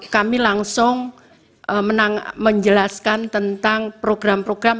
kami langsung menjelaskan tentang program program